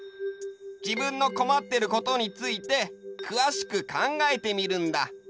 自分のこまってることについてくわしく考えてみるんだ。